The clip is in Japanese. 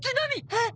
えっ？